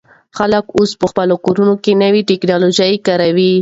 خلک اوس په خپلو کورونو کې نوې ټیکنالوژي کاروي.